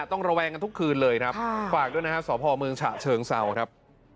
ระแวงกันทุกคืนเลยครับฝากด้วยนะฮะสพเมืองฉะเชิงเศร้าครับ